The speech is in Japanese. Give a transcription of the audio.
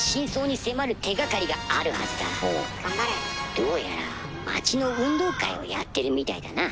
どうやら町の運動会をやってるみたいだな。